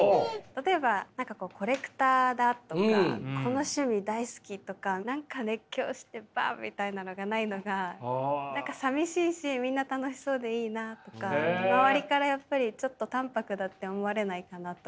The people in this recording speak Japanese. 例えば何かこうコレクターだとかこの趣味大好きとか何か熱狂してバッみたいなのがないのが何かさみしいしみんな楽しそうでいいなとか周りからやっぱりちょっと淡泊だって思われないかなとか。